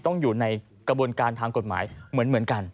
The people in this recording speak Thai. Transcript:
ต้องอยู่ในกระบวนการทางกฎหมายเหมือนกัน